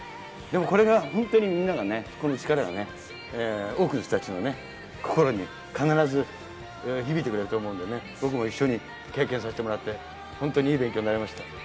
でもこれが本当にみんながね、この力がね、多くの人たちのね、心に、必ず響いてくれると思うんでね、僕も一緒に経験させてもらって、本当にいい勉強になりました。